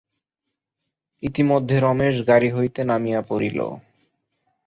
ইতিমধ্যে রমেশ গাড়ি হইতে নামিয়া পড়িল।